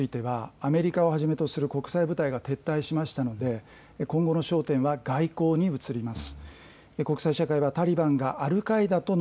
まずアフガニスタンについてはアメリカをはじめとする国際部隊が撤退しましたので今後の焦点は外交に移ります。